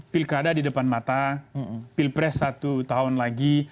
pilkada di depan mata pilpres satu tahun lagi